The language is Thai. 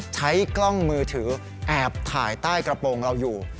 ใช้กล้องมือถือแอบถ่ายใต้กระโปรงเราอยู่